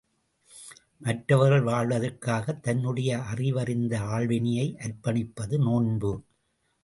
மற்றவர்கள் வாழ்வதற்காகத் தன்னுடைய அறிவறிந்த ஆள்வினையை அர்ப்பணிப்பது நோன்பு.